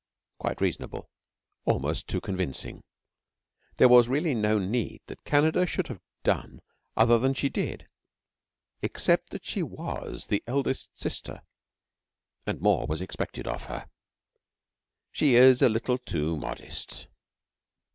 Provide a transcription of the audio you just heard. Quite reasonable almost too convincing. There was really no need that Canada should have done other than she did except that she was the Eldest Sister, and more was expected of her. She is a little too modest.